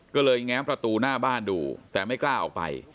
ก็เลยแง้มประตูหน้าบ้านดูแต่ไม่กล้าออกไป